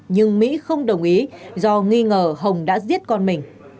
nhưng mỹ không đồng ý do nghi ngờ hồng đã giết con mình